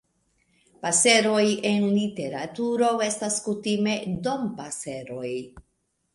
Paseroj en literaturo estas kutime Dompaseroj.